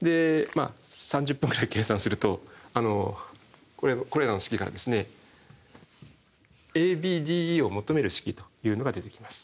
３０分ぐらい計算するとこれらの式からＡＢＤＥを求める式というのが出てきます。